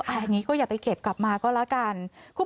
อย่างนี้ก็อย่าไปเก็บกลับมาก็แล้วกัน